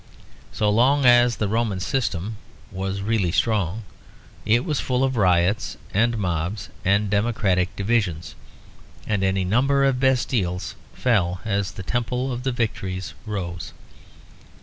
So long as the Roman system was really strong, it was full of riots and mobs and democratic divisions; and any number of Bastilles fell as the temple of the victories rose.